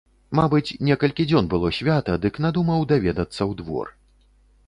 Мабыць, некалькі дзён было свята, дык надумаў даведацца ў двор.